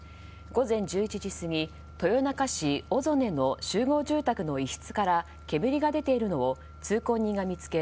午前１１時過ぎ豊中市小曾根の集合住宅の一室から煙が出ているのを通行人が見つけ